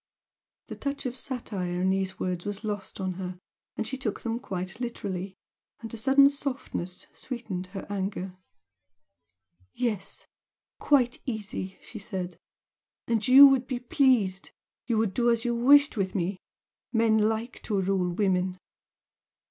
The touch of satire in these words was lost on her, she took them quite literally, and a sudden softness sweetened her anger. "Yes! quite easy!" she said "And you would be pleased! You would do as you wished with me men like to rule women!"